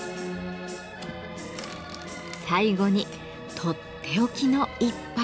最後にとっておきの一杯。